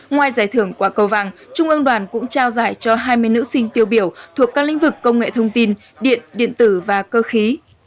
ngoài giải thưởng quả cầu vàng trung ương đoàn cũng trao giải cho hai mươi nữ sinh tiêu biểu thuộc các lĩnh vực công nghệ thông tin điện điện tử và cơ khí